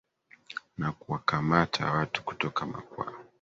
na kuwakamata watu kutoka makwao